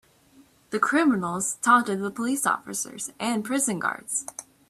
The criminals taunted the police officers and prison guards.